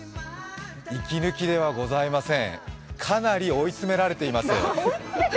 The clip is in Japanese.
息抜きではございません、かなり追い詰められています。